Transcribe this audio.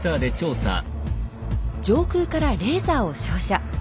上空からレーザーを照射。